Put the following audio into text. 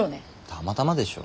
たまたまでしょ。